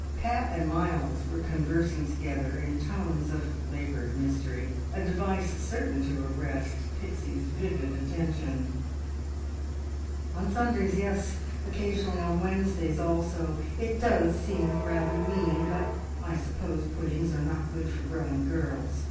Pat and Miles were conversing together in tones of laboured mystery, a device certain to arrest Pixie's vivid attention. "On Sundays yes! Occasionally on Wednesdays also. It does seem rather mean, but I suppose puddings are not good for growing girls.